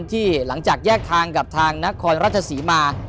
ที่หลังจากแยกทางกับทางนครราชศรีมา